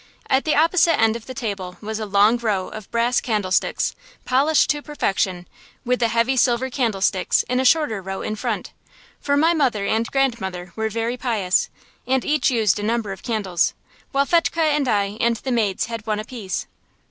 At the opposite end of the table was a long row of brass candlesticks, polished to perfection, with the heavy silver candlesticks in a shorter row in front; for my mother and grandmother were very pious, and each used a number of candles; while Fetchke and I and the maids had one apiece.